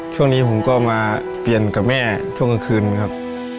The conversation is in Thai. ช่วงนี้ผมก็มาเปลี่ยนกับแม่ช่วงกลางคืนครับ